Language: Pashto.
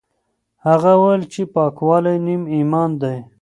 هغه وویل چې پاکوالی نیم ایمان دی.